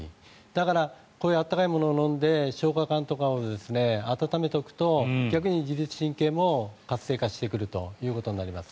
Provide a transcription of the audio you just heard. だからこういう温かいものを飲んで消化管とかを温めておくと逆に自律神経も活性化してくるということになります。